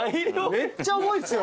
めっちゃ重いですよ。